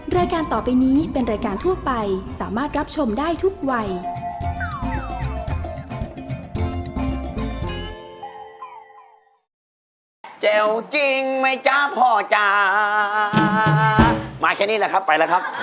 รายการต่อไปนี้เป็นรายการทั่วไปสามารถรับชมได้ทุกวัย